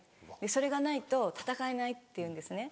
「それがないと戦えない」って言うんですね。